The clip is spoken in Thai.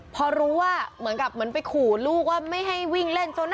พอรู้ว่าเหมือนกับเหมือนไปขู่ลูกว่าไม่ให้วิ่งเล่นจน